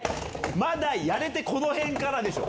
まだやれてこの辺からでしょ。